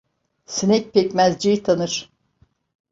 Sinek pekmezciyi tanır.